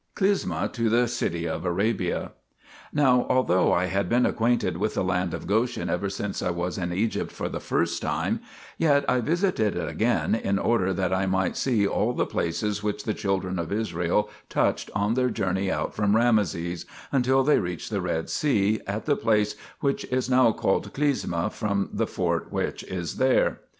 CLYSMA TO THE CITY OF ARABIA Now although I had been acquainted with the land of Goshen ever since I was in Egypt for the first time, yet [I visited it again] in order that I might see all the places which the children of Israel touched on their journey out from Rameses, until they reached the Red Sea at the place which is now called Clysma from the fort which is there.